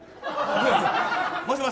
もしもし？